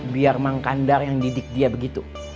biar mang kandar yang didik dia begitu